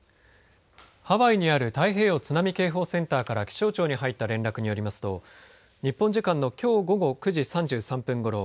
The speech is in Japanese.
ハワイにある太平洋津波警報センターから気象庁に入った連絡によりますと日本時間のきょう午後９時３３分ごろ